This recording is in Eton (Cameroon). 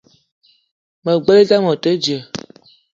Me gbelé idam ote djeng